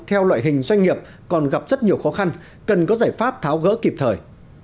theo loại hình doanh nghiệp còn gặp rất nhiều khó khăn cần có giải pháp tháo gỡ kịp thời